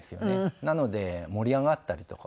なので盛り上がったりとかはします。